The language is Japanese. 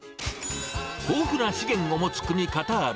豊富な資源を持つ国、カタール。